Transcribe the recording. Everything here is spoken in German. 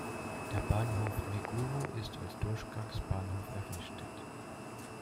Der Bahnhof Meguro ist als Durchgangsbahnhof errichtet.